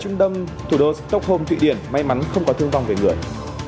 văn đâm thủ đô stockholm thụy điển may mắn không có thương vong về người